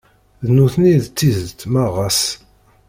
D nutni i d tidett ma ɣas.